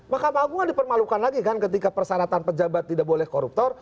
mahkamah agung kan dipermalukan lagi kan ketika persyaratan pejabat tidak boleh koruptor